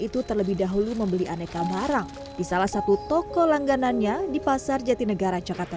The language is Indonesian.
itu terlebih dahulu membeli aneka barang di salah satu toko langganannya di pasar jatinegara jakarta